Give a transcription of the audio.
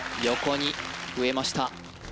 横に増えました